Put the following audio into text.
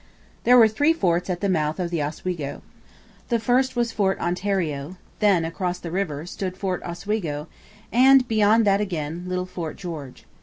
There were three forts at the mouth of the Oswego. The first was Fort Ontario; then, across the river, stood Fort Oswego; and, beyond that again, little Fort George.